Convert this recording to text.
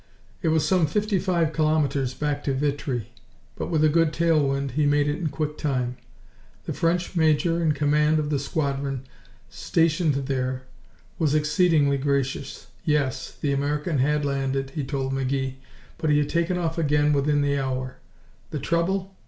It was some fifty five kilometers back to Vitry, but with a good tail wind he made it in quick time. The French major in command of the squadron stationed there was exceedingly gracious. Yes, the American had landed, he told McGee, but he had taken off again within the hour. The trouble?